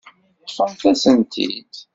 Ṭṭfemt-asent-t-id.